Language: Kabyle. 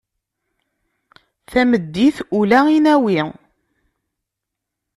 Tameddit ula i nawi.